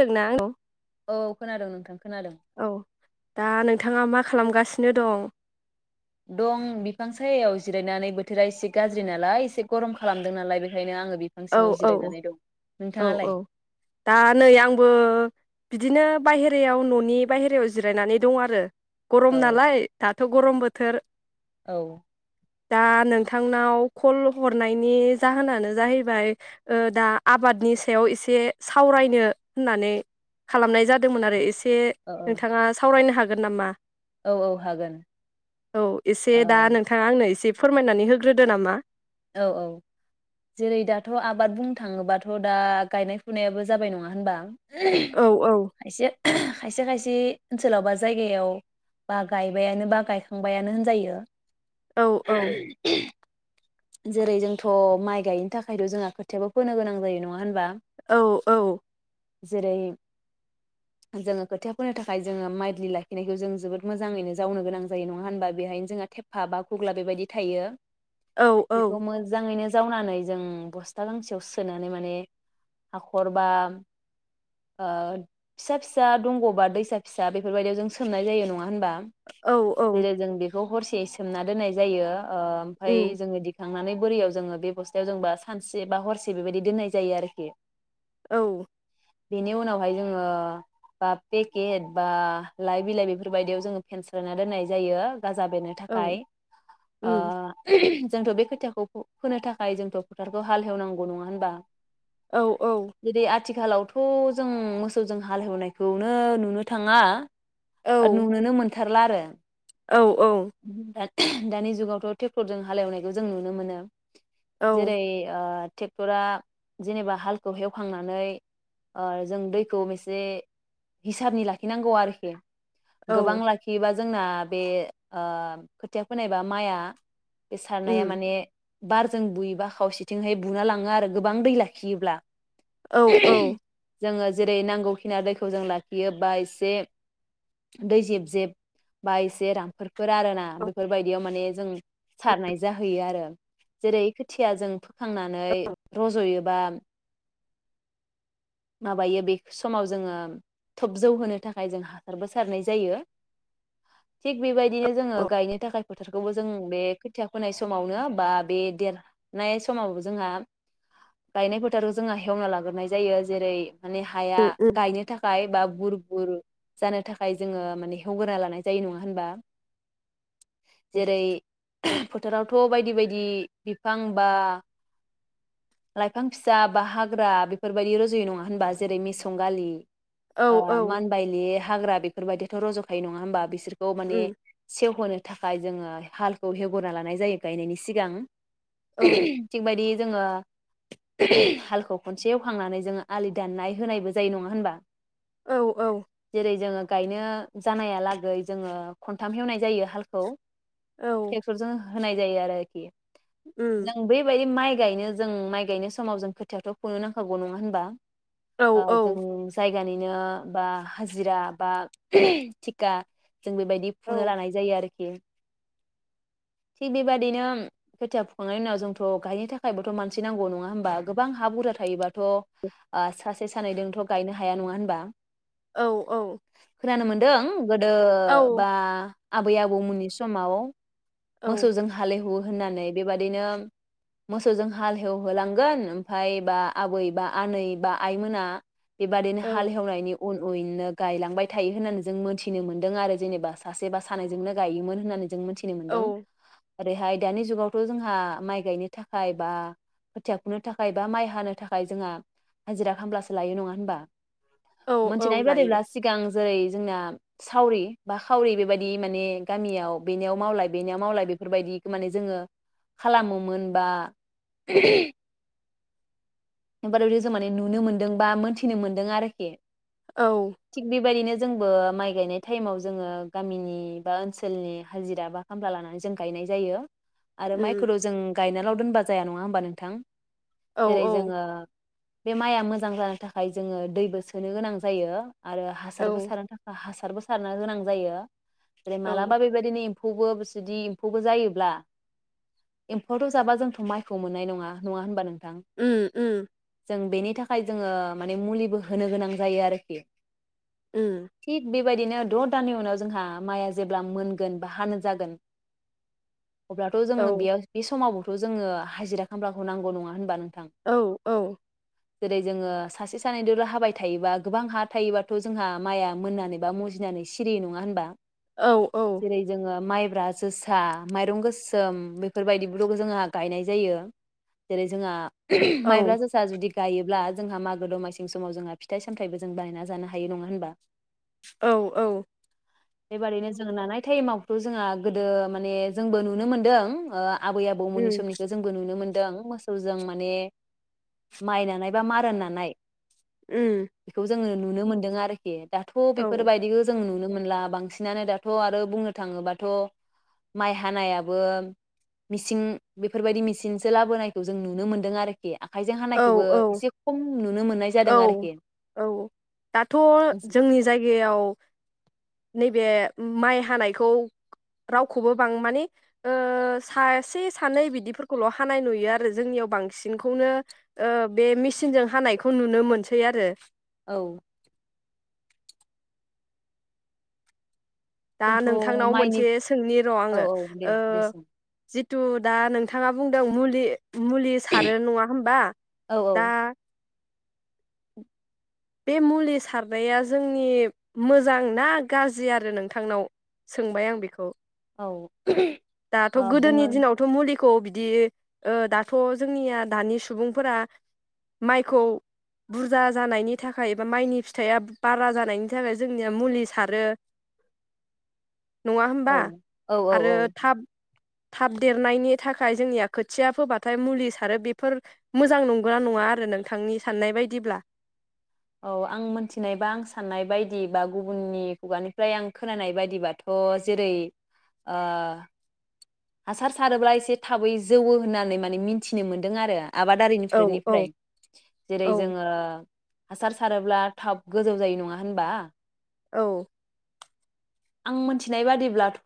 दोंना [unintelligible] औ औ खोनादों नोंथां खोनादों । थाङा मा खालामगासिनो दं? दं बिफां सायायाव जिरायनानै बोथोरा एसे गाज्रि नालाय एसे गरम खालामदों नालाय बेखायनो आङो बिफां औ सिङाव औ जिरायनानै दं औ नोंथाङालाय औ दा नै आंबो बिदिनो बायहेरायाव न'नि बायहेरायाव जिरायनानै दं आरो। औ गरम नालाय दा थ' गरम बोथोर औ। दा नोंथांनाव कल हरनायनि जाहोनानो जाहै बाय ओ दा आबादनि सायाव एसे सावरायनो होननानै खालामनाय जादोंमोन आरो एसे से औ नोंथाङा सावरायनो हा गोन नामा? औ औ हागोन औ एसे ओ दा नोंथाङा आंनो एसे फोरमायनानै होग्रोदो नामा? औ औ जेरै दाथ' आबाद बुंनो थाङोबाथ' दा गायनाय फुनायाबो जाबाय नङा होनबा? [unintelligible] औ औ खायसे खायसे खायसे ओनसोलाव बा जायगायाव बा गायबायानो बा गायखांबायानो होनजायो। औ औ। जेरै जोंथ' माइ गायनो थाखायथ' जोंहा खोथियाबो फोनो गोनां जायो नङा होनबा? औ औ। जेरै जोङो खोथिया फोनो थाखाय जोङो माइडलि लाखिनायखौ जों जोबोद मोजाङैनो जावनो गोनां जायो नङा होनबा? बेहायनो जोंहा थेफा बा गुग्ला बेबायदि थायो। औ औ बेखौ मोजाङैनो जावनानै जों बस्था गांसेयाव सोनानै माने हाख'र बा ओ फिसा फिसा दंग बा दैसा फिसा बेफोरबायदियाव जों सोमनाय जायो नङा होनबा औ औ जेरै जों बे खौ हरसेयै सोमना दोननाय जायो। ओ ओमफाय उम जोङो दि खांनानै बोरियाव जोङो बे बस्थायाव जोंबा सानसे बा हरसे बेबायदि दोननाय जायो आरोखि। औ। बेनि उनावहाय जोङो बा पेकेट बा लाइ बिलाइ बेफोरबायायदियाव जोङो फेनस्रोना दोननाय जायो। गाजा बेनो औ थाखाय ओ उम [unintelligible] जोंथ' बे खोथियाखौ फु फोनो थाखाय जोंथ' फोथारखौ हाल हेवनांगौ नङा होनबा? औ औ। जेरै आथिखालावथ' जों मोसौजों हाल हेवनायखौनो नुनो थाङा औ आरो नुनोनो मोन थारला आरो। औ औ। दानि जुगावथ'' टेक्टरजों हालवनायखौ जों जों नुनो मोनो। जेरै ओ ट्रेक्टरा जेनेबा हालखौ हेवखांनानै ओ जों दैखौ एसे हिसाबनि लाखिनांगौ आरोखि। औ गोबां लाखियोबा जोंना बे ओ खोथिया फोनायबा माइआ सारनाया उम माने बारजों बुयोबा खावसेथिंहाय बुना लाङो आरो गोबां दै लाखियोब्ला। औ औ। जोङो जेरै नांगौखिनि दैखौ जों लाखियो बा एसे दै जेब जेब बा एसे रामफोर फोर आरो ना बेफोरबायदियाव माने जों सारनाय जाहैयो आरो जेरै खोथिया जों खांनानै रज'यो बा माबायो बे समाव जोङो थाब जौहोनो थाखाय हासारबो सारनाय जायो थिग बेबाय दिनो जोङो गायनो थाखाय फोथारखौबो जों बे खोथिया - होनाय समावनो बा बे देरनाय समाव जोंहा गायनाय फोथारखौ जोंहा हेवना लाग्रोनाय जायो जेरै माने हाया उम उम गायनो थाखाय बा बुर बुर जानो थाखाय जोङो माने हेवगोरा लानाय जायो नङा होनबा। जेरै बोथोरावथ' बायदि बायदि बिफां बा लाइफां फिसा बा हाग्रा बेफोरबायदि रुजुयो नङा होनबा जेरै मेसं गालि औ आ मान बायलि हाग्रा बेफोरबायदिथ' रज'खायो नङा होनोमबा बिसोर खौ माने उम सेव होनोनो थाखाय जोङो हालखौ हेवरा लानाय जायो गायनायनि सिगां। औ [unintelligible] जोङो हालखौ खनसे एवखांनानै जोङो आलि दाननाय होनायबो जायो नङा होनबा? औ औ जेरै जोङो गायनो जानायालागै जोङो खनथाम हेवनाय जायो हालखौ उम ट्रेक्टरजों होनाय जायो आरोखि। जों बेबायदि माइ गायनो जों माइ गायनाय समाव जों खोथिथ' खुंनो नांखागौ नङा होनबा? औ आ औ जों जाइ गानिनो बा हाजिरा बा थिखा जों बेबायदि औ फुनो लानाय जायो आरोखि। थिग बेबादिनो खोथिया फुखांनायनि उनाव जोंथ' गायनो थाखायबोथ' मानसि नांगौ नङा होमबा गोबां हा बुरजा थायोबा थ' आ सासे सानैजोंथ' गायनो हाया नङा होनबा । औ औ खोनानो मोन्दों गोदो बा आबै आबौमोननि समाव मोसौजों हालएवो होननानै बेबादिनो मोसौजों हाल हेवहोलांगोन ओमफ्राय बा आबै बा आनै बा आइमोना बेबादिनो हाल एवनायनि उन उनैनो गायलांबाय थायो होननानै जों मोनथिनो मोन्दों आरो जेनेबा सासेबा सानैजोंनो गायोमोन होननानै । जों मिथिनो औ मोनदों ओरैहाय दानि जुगावथ' जोंहा माइ गायनो थाखाय बा खोथिया खुनो थाखाय बा माइ हानो थाखाय जोंहा हाजिरा खामब्लासो लायो नङा होनबा औ । औ मोनथिनाय लायो बादिब्ला सिगां जेरै जोंना सावरि बा खावरि बेबायाददि माने गामियाव बेनियाव मावलाय बेनियाव मावलाय बेफोरबायदि माने जोङो खालामोमोन बा [unintelligible] जों माने नुनो मोन्दों बा मोन्थिनो मोन्दों आरोखि औ थिग बेबायदिनो जोंबो माइ गायनाय टाइमाव जोङो गामिनि बा ओनसोलनि हाजिरा बा खामला लानानै जों गायनाय जायो । आरो उम माइखौथ' जों गायनाल' दोनबा जाया नङा होमबा नोंथां । औ औ जोङो बे माइआ मोजां जानो थाखाय जोङो दैबो सोनो गोनां जायो । आरो औ हासारबो सारनो थाखाय हास हासारबो सारनो गोनां जायो । औ मालाबा बे बायदिनि एम्फौबो जदि एम्फौबो जायोब्ला एम्फौआथ' जाबा जोंथ' माइखौ मोननाय नङा नङा होनबा नोंथां । ओम ओम जों बेनि थाखाय जोङो माने मुलिबो होनो गोनां जायो आरोखि ओम थिग बेबायदिनो द' दाननि उनाव जोंहा माइआ जेब्ला मोनगोन बा हानो जागोन अब्लाथ' औ औ जोङो बेयाव बे समाव थ' जोङो हाजिरा खामलाखौ नांगौ नङा होनबा नोंथां । औ औ। जेरै जोङो सासे सानैजों हाबाय थायोबा गोबां हा थायोबाथ' जोंहा माइआ मोननानै बा मुजिनानै सिरि नङा होनबा। औ जेरै जोङो माइ मायब्रा, जोसा, माइरं गोसोम बेफोरबायदिबो जोंहा गायनाय जायो जेरै जोंहा माइब्र जोसा जुदि गायोब्ला जोंहा मागो दमासिंनि समाव जोंहा फिथाइ सामथायाइबो जों बानायना जानो हायो नङा होनबा। औ औ। बेबादिनो जोङो नानाय टाइमावथ' जोंहा गोदो माने जोंबो नुनो मोनदों। आबै आबौमोननि समनिखौ जोंबो नुनो मोनो मोसौजों माइ माने माइ नानाय बा मारा नानाय। उम बेखौ जोङो नुनो मोन्दों आरो। दाथ' औ बेफोर बायदिखौ जों नुनो मोनला बांसिनानो दाथ' आरो बुंनो थाङोबाथ' माइ हानायाबो मिसिन बेफोरबायदि मिसिनसो लाबोनायखौ जों नुनो मोनो। दों आरोखि। आखाइजों औ हानायखौबो औ एसे खम नुनो मोननाय औ जादों आरोखि औ दाथ' जोंनि जायगायाव नैबे माइ हानायखौ रावखौबो बां माने सासे सानै बिदिफोरखौल' हानाय नुयो आरो जोंनियाव बांसिनखौनो बे मेचिनजों हानायखौ नुनो मोनसै आरो। औ। दा जोंथ' नोंथांनाव माइनि मोनसे सोंनि र' औ आङो औ दे दे ओं सों जि थु दा नोंथाङा बुंदों मुलि मुलि सारो नङा होनबा औ दा बे मुलि सारनाया जोंनि मोजांना गाज्रि आरो नोंथांनाव सोंबाय आं बेखौ। औ। दाथ' ओ बुङो गोदोनि दिनावथ' मुलि खौ बिदि दाथ' जोंनिया दानि सुबुंफोरा माइखौ बुरजा जानायनि थाखाय बा माइनि फिथाइया बारा जानायनि थाखाय जोंनिया मुलि सारो। नङा होनबा औ औ औ आरो औ थाब देरनायनि थाखाय जोंनिया खोथिया फोबाथाय मुलि सारो बेफोर मोजां नंगौ नङा आरो नोंथांनि साननाय बायदिब्ला। औ आं मोनथिनाय बा आं साननाय बायदिबा गुबुननि खुगानिफ्राय आं खोनानाय बायदिबाथ' जेरै हासार सारोब्ला एसे थाबै जौवो होननानै माने मिथिनो मोन्दों आरो। औ औ आबादारिफोरनिफ्राय जेरै औ जोङो हासार सारोब्ला थाब गोजौ जायो नङा होनबा। औ। आं मोनथिनाय बादिब्लाथ'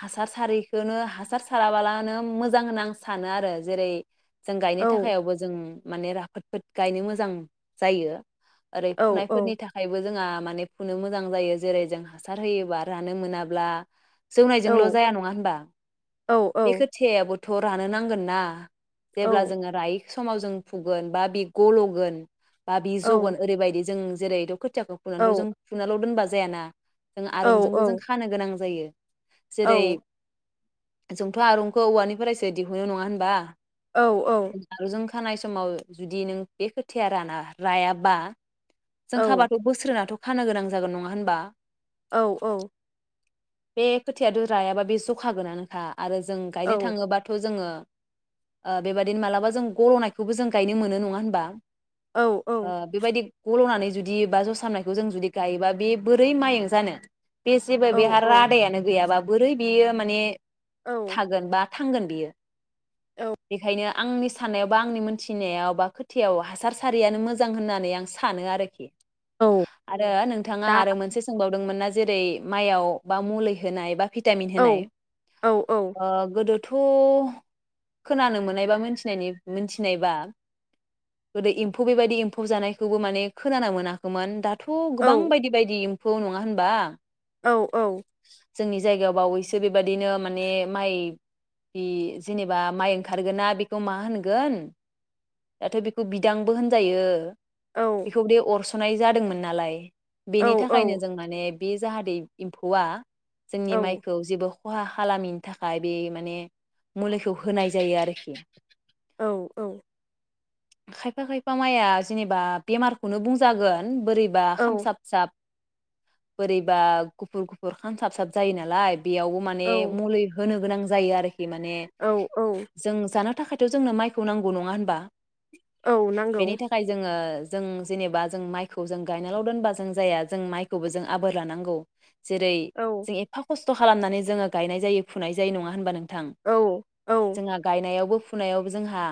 हासार सारैखौनो हासार साराबालानो मोजां होनना आं सानो आरो जेरै जों गायनो औ थाखायावबो जों माने राफोदफोद गायनो मोजां जायो। ओरै औ फुनायफोरनि थाखायबो जोंहा माने फुनो मोजां जायो जेरै जों हासार। होयोबा रानो मोनाब्ला। औ जौनायजोंल' जाया नङा होनबा औ बे औ खोथियाबो। थ' रानो नांगोन ना। औ जेब्ला जोङो रायो समाव जों फुगोन बा बे गल'गोन। बा बि जगन ओरैबायदि जों जेरै द' खोथियाखौ औ फुनानैल जों फुनाल' दोनबा। जायाना। जों औ आरुमजोंबो जों खानो गोनां जायो। जेरै जोंथ' आरंखौ औवानिफ्रायसो दिहुननो नङा होनबा? औ औ। आरंजों खानाय समाव जुदि नों बे खोथिया राना रायाबा। जों खाबाथ' बोस्रोनाथ'। खानो गोनां जागोन नङा होनबा? औ औ। बे खोथियाथ'रायाबा बे जखागोनानोखा। आरो जों गायनो औ थाङोबाथ' जोङो ओ बेबायादिनो मालाबा जों ग'लनायखौबो जों गायनो मोनो नङा होनबा? औ औ ओ बेबायदि गल'नानै। जुदि बा ज'सामनायखौ जों जुदि गायोबा बे बोरै माइ जानो। बे जेबो औ बेहा औ रादायानो गैयाबा। बोरै बियो माने औ थागोनबा। थांगोन बियो। औ बेखायनो। आंनि साननाय बा आंनि मोनथिनायाव बा खोथायाव हासार सारियानो मोजां होननानै आं सानो आरोखि। औ आरो नोंथाङा दा आरो मोनसे। नुदोंमोना जेरै माइआव बा मुलै होनाय बा। भिटामिन औ होनाय औ औ ओ गोदो। थ' खोनानो मोननायबा मोनथिनायनि मोनथिनायबा गोदो एम्फौ बेबायदि एम्फौ जानायखौबो माने खोनानो मोनाखैमोन दा थ' गोबां औ बायदि बायदि फौ नङा होनबा? औ औ जोंनि जायगायाव बावैसो बेबाददिनो माने माइ बि जेनेबा माइ ओंखारगोना बेखौ मा होनगोन दाथ' बेखौ बिदांबो होनजायो। बेखौ बे अरस' सुनाय जादोंमोन नालाय। औ बेनि था खायनो जों माने बे जाहाथे एम्फौवा जोंनि माइखौ जेबो खहा खालामैनि थाखाय बे माने मुलिखौ होनाय जायो आरोखि। औ औ खायफा खायफा माइया जेनेबा बेमारखौनो बुंजागोन बोरैबा खामसाबसाब बोरैबा गुफुर गुफुर खामसाब साब जायो नालाय। बेयावबो माने औ मुलि होनो गोनां जायो आरो माने औ जों जानो थाखायथ' जोंनो माइखौ नांगौ नङा होनबा? औ नांगौ बेनि थाखाय जोङो जों जेनेबा जों माइखौ जों गायनाल' दोनबा जों जाया। जों माइखौबो जों आबोर लानांगौ। जेरै औ जों एफा खस खालामनानै जोङो गायनाय जायो फुनाय जायो नङा होनब नों थां औ औ जोंहा गायनायावबो फुनायावबो जोंहा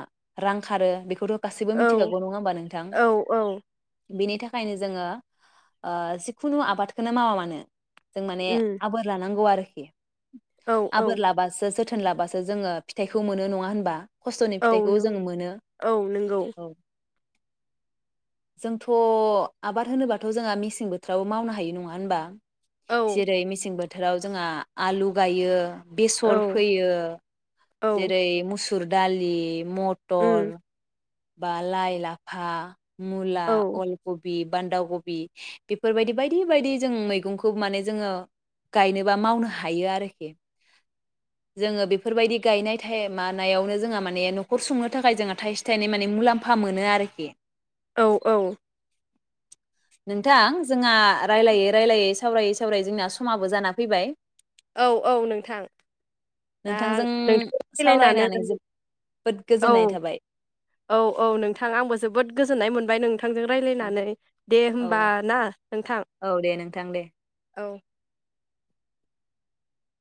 रां खारो बेखौथ' गासैबो मिथिखागौ नङा होमबा नोंथां। औ बिनि थाखायनो जोङो ओ जिखुनु आबादखौनो मावा मानो जों माने उम आबोर लानांगौ आरो औ [unintelligible] आबोर औ लाबासो जोथोन लाबासो जोङो फिथाइखौ मोनो नङा होनबा? खस्थ'नि औ फिथाइखौ नों जों मोनो। औ नोंगौ औ जोंथ' आबाद होनोबथ' जोंहा मिस सें बोथोरावो मावनो हायो नङा होनबा औ सिरै मिसिं बोथ बोथोराव जोंहा आलु गायो औ बेसर फैयो औ जेरै मुस सुरडालि मटर उम बा लाय लाफा मुला औ अल कब बि बान्दाखबि बेफोरबायदि बायदि बायदि जों मैगंखौ माने जोंङो गायनो बा मावनो हायो आरोखि जोंङो बेफोरबादि गायनाय टायेम मानाव जों माने नखर सुंनो थाखाय जोङो थायस थानै माने मुलाम्फा मोनो आरोखि औ औ नोंथां जोंहा रायलायै रायलायै सावरायै सावरायै जोंना समाबो जाना फैबाय औ औ नोंथां दा नोंथांजों नोंथां [inaudible] नानै सावरायनानै जोबोद औ गोजोननाय थाबाय औ औ नोंथां आंबो जोबोद गोजोननाय मोनबाय नोंथां थांजों औ रायज्लायनानै दे औ होमबा औ ना नोंथां औ दे नोंथां दे औ